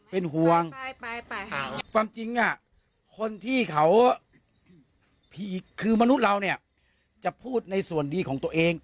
เป็นห่วงความจริงคนที่เขาคือมนุษย์เราเนี่ยจะพูดในส่วนดีของตัวเอง